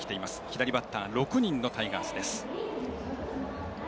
左バッター６人のタイガースです。